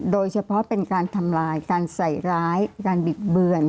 โดยเฉพาะเป็นการทำลายการใส่ร้ายการบิดเบือน